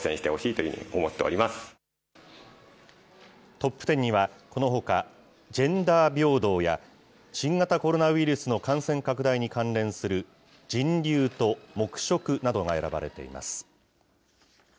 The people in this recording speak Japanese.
トップテンには、このほか、ジェンダー平等や、新型コロナウイルスの感染拡大に関連する人流と黙食などが選ばれています。